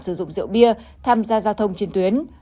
sử dụng rượu bia tham gia giao thông trên tuyến